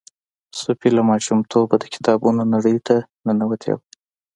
صوفي له ماشومتوبه د کتابونو نړۍ ننوتې وه.